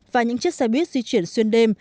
và những chiếc xe buýt di chuyển xuyên đêm